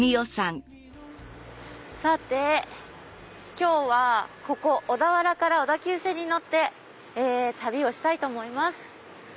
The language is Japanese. さて今日はここ小田原から小田急線に乗って旅をしたいと思います。